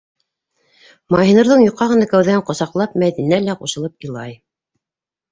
- Маһинурҙың йоҡа ғына кәүҙәһен ҡосаҡлап, Мәҙинә лә ҡушылып илай.